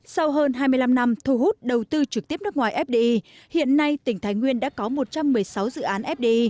sau hơn hai mươi năm năm thu hút đầu tư trực tiếp nước ngoài fdi hiện nay tỉnh thái nguyên đã có một trăm một mươi sáu dự án fdi